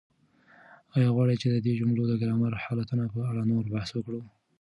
آیا غواړئ چې د دې جملو د ګرامري حالتونو په اړه نور بحث وکړو؟